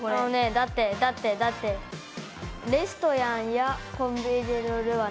だってだってだって「レストランやコンビニで乗れる」はないでしょ。